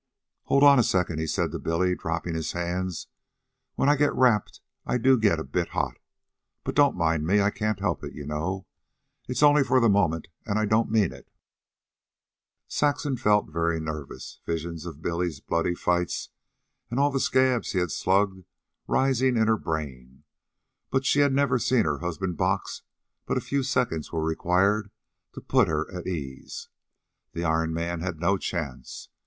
"Hold on a second," he said to Billy, dropping his hands. "When I get rapped I do get a bit hot. But don't mind me. I can't help it, you know. It's only for the moment, and I don't mean it." Saxon felt very nervous, visions of Billy's bloody fights and all the scabs he had slugged rising in her brain; but she had never seen her husband box, and but few seconds were required to put her at ease. The Iron Man had no chance.